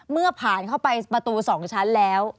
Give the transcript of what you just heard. เมื่อผ่านเข้าไปประตู๒ชั้นแล้ว